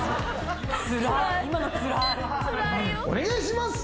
「お願いします」